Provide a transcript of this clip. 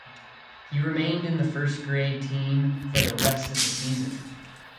He remained in the first grade team for the rest of the season.